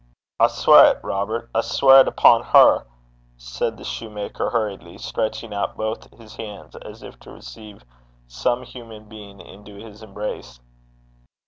'I swear 't, Robert; I sweir 't upo' her,' said the soutar hurriedly, stretching out both his hands as if to receive some human being into his embrace.